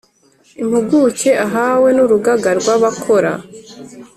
impuguke ahawe n Urugaga rw abakora